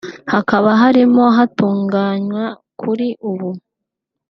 hakaba harimo hatunganywa kuri ubu